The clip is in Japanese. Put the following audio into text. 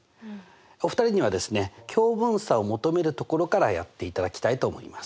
お二人にはですね共分散を求めるところからやっていただきたいと思います。